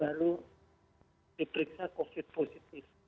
lalu diperiksa covid positif